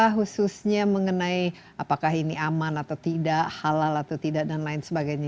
khususnya mengenai apakah ini aman atau tidak halal atau tidak dan lain sebagainya